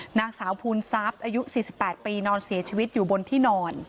หนังสาวภูราชนม้อนศาพน์อายุ๔๘ปีนอนเสียชีวิตอยู่บนที่นอน